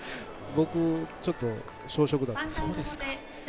僕、ちょっと小食だったので。